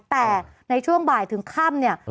แต่ในช่วงบ่ายถึงค่ำเนี่ย